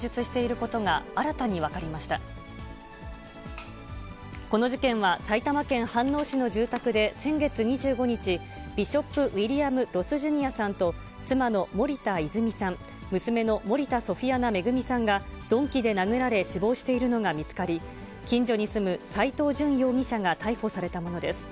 この事件は、埼玉県飯能市の住宅で先月２５日、ビショップ・ウィリアム・ロス・ジュニアさんと、妻の森田泉さん、娘の森田ソフィアナ恵さんが、鈍器で殴られ、死亡しているのが見つかり、近所に住む斎藤淳容疑者が逮捕されたものです。